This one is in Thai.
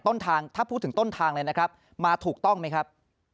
ต้นทางถ้าพูดถึงต้นทางเลยนะครับมาถูกต้องไหมครับ